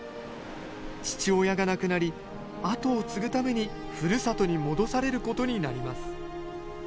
父親が亡くなり跡を継ぐために故郷に戻されることになります